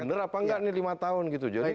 benar apa nggak nih lima tahun jadi